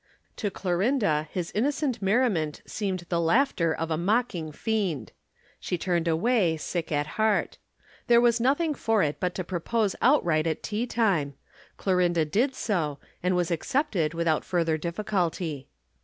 To Clorinda his innocent merriment seemed the laughter of a mocking fiend. She turned away sick at heart. There was nothing for it but to propose outright at teatime. Clorinda did so, and was accepted without further difficulty.